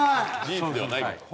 事実ではないから。